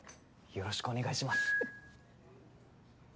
よろしくお願いします